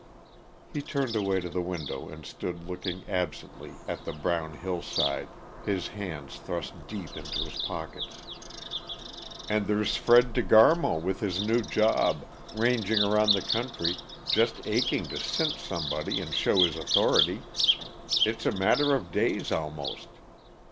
He turned away to the window and stood looking absently at the brown hillside, his hands thrust deep into his pockets. "And there's Fred De Garmo, with his new job, ranging around the country just aching to cinch somebody and show his authority. It's a matter of days almost.